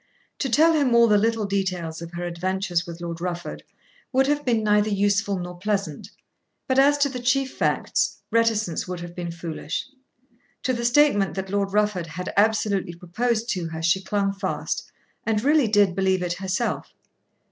To tell him all the little details of her adventures with Lord Rufford would have been neither useful nor pleasant; but, as to the chief facts, reticence would have been foolish. To the statement that Lord Rufford had absolutely proposed to her she clung fast, and really did believe it herself.